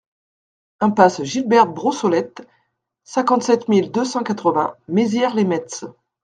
Impasse Gilberte Brossolette, cinquante-sept mille deux cent quatre-vingts Maizières-lès-Metz